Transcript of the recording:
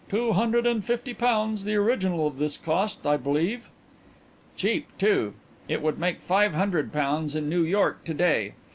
"Two hundred and fifty pounds the original of this cost, I believe." "Cheap, too; it would make five hundred pounds in New York to day.